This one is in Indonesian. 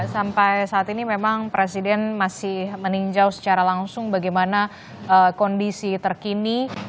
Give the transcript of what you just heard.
sampai saat ini memang presiden masih meninjau secara langsung bagaimana kondisi terkini